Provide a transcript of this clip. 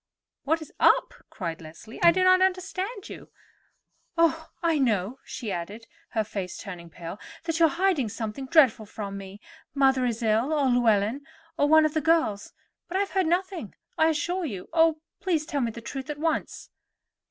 "What is up!" cried Leslie. "I do not understand you. Oh, I know," she added, her face turning pale, "that you are hiding something dreadful from me. Mother is ill, or Llewellyn, or one of the girls; but I have heard nothing, I assure you. Oh, please, tell me the truth at once."